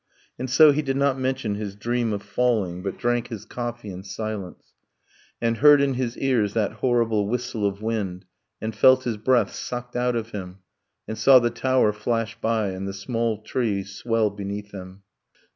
. And so he did not mention his dream of falling But drank his coffee in silence, and heard in his ears That horrible whistle of wind, and felt his breath Sucked out of him, and saw the tower flash by And the small tree swell beneath him